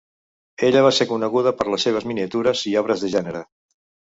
Ella va ser coneguda per les seves miniatures i obres de gènere.